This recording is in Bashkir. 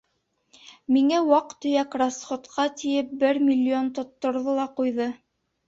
Миңә ваҡ-төйәк расходҡа тиеп бер миллион тотторҙо ла ҡуйҙы.